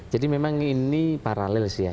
jadi memang ini paralel sih ya